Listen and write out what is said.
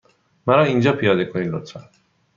مرا اینجا پیاده کنید، لطفا.